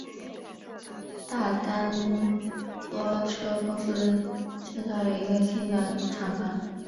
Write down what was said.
大丹拖车公司建造了一个新的厂房。